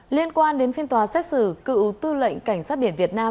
liên quan đến phiên tòa xét xử cựu tư lệnh cảnh sát biển việt nam